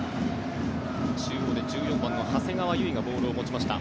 中央で１４番の長谷川唯がボールを持ちました。